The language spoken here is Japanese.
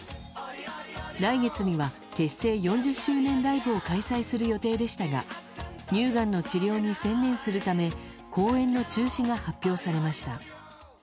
来月には、結成４０周年ライブを開催する予定でしたが乳がんの治療に専念するため公演の中止が発表されました。